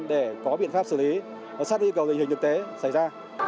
để có biện pháp xử lý sắp đến tình hình thực tế xảy ra